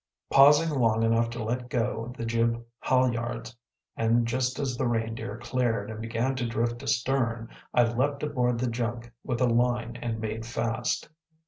Pausing long enough to let go the jib halyards, and just as the Reindeer cleared and began to drift astern, I leaped aboard the junk with a line and made fast.